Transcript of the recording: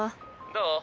どう？